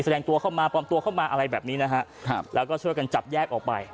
แสดงตัวเข้ามาปลอมตัวเข้ามาอะไรแบบนี้นะฮะครับแล้วก็ช่วยกันจับแยกออกไป